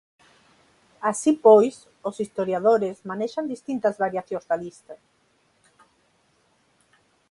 Así pois os historiadores manexan distintas variacións da lista.